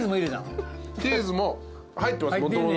チーズも入ってます